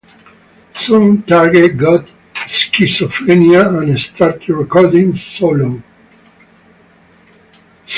Soon Target got schizophrenia and started recording solo.